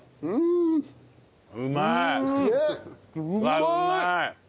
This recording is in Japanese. うまい！